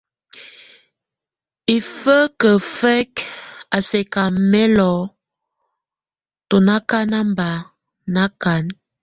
Hifekefek a sɛka mɛlo, tú ŋakan bá nakan.